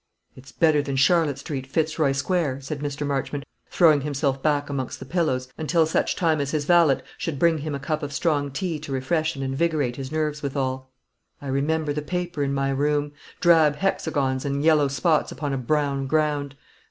"It's better than Charlotte Street, Fitzroy Square," said Mr. Marchmont, throwing himself back amongst the pillows until such time as his valet should bring him a cup of strong tea to refresh and invigorate his nerves withal. "I remember the paper in my room: drab hexagons and yellow spots upon a brown ground.